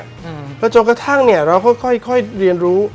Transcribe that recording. แล้วจนกระทั่งเนี่ยเราค่อยเรียนรู้